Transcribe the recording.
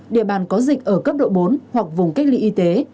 địa bàn có dịch ở cấp độ bốn hoặc vùng cách ly y tế